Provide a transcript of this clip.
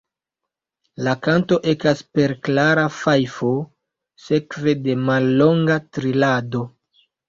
La kanto ekas per klara fajfo, sekve de mallonga trilado.